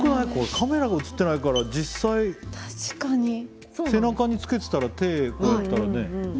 カメラが映ってないから実際背中につけてたら手こうやったらね。